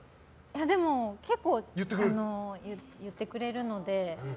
でも、結構言ってくれるので。